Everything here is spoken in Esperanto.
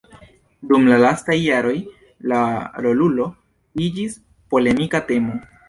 Dum la lastaj jaroj, la rolulo iĝis polemika temo.